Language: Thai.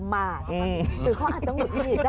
หรือเขาอาจจะหงุดหงิดก็ได้